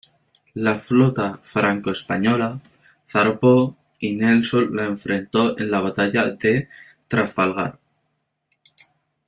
La flota franco-española zarpó y Nelson la enfrentó en la batalla de Trafalgar.